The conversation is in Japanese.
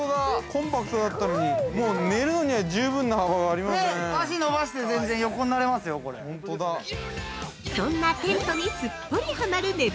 ◆コンパクトだったのに寝るのには十分な幅がありますね。